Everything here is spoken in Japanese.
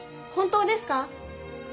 本当ですか？